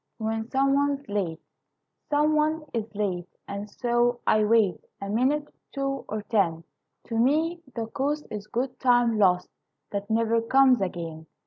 When Some One's Late Some one is late, And so I wait A minute, two, or ten; To me the cost Is good time lost That never comes again.